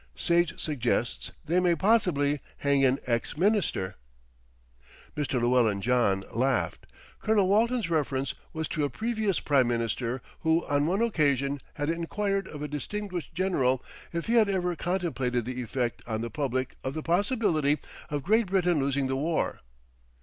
Sage suggests they may possibly hang an ex minister." Mr. Llewellyn John laughed. Colonel Walton's reference was to a previous Prime Minister who on one occasion had enquired of a distinguished general if he had ever contemplated the effect on the public of the possibility of Great Britain losing the war.